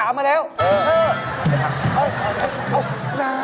ไปหามาแล้วนานอยากหาคนแบบชาว